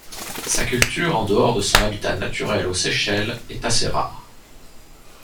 Sa culture en dehors de son habitat naturel aux Seychelles est assez rare.